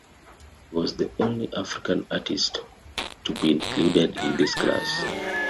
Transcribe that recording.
He was the only African artist to be included in this class.